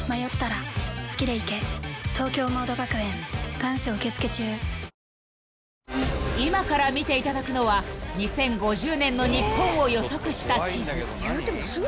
三井不動産［今から見ていただくのは２０５０年の日本を予測した地図］